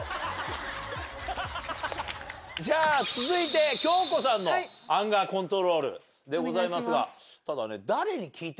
続いて京子さんのアンガーコントロールでございますがただね。